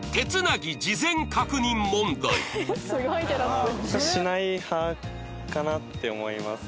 そんな中しない派かなって思います。